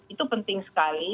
itu penting sekali